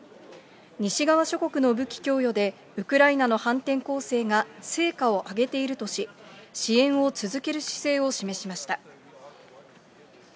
西側諸国の武器供与で、ウクライナの反転攻勢が成果を上げているとし、支援を続ける姿勢を示しました。